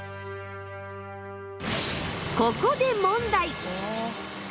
ここで問題！